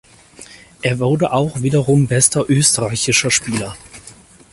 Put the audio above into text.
Er wurde auch wiederum bester österreichischer Spieler.